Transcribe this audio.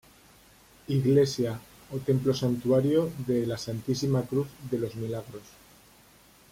Iglesia o Templo Santuario de la Santísima Cruz de los Milagros